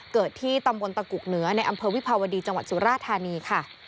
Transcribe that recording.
เกิดที่ตำบลตะกุกเหนือในอำเภอวิภาวดีจังหวัดสุราธานีค่ะ